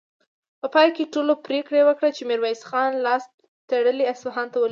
په پای کې ټولو پرېکړه وکړه چې ميرويس خان لاس تړلی اصفهان ته ولېږي.